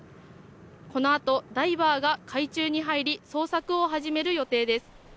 このあとダイバーが海中に入り捜索を始める予定です。